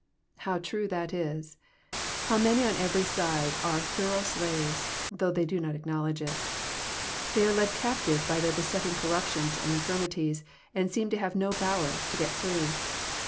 How true that is I How many on every side are thorough slaves, although they do not acknowledge it I They are led captive by their besetting corruptions and infirmities, and seem to have no power to get free.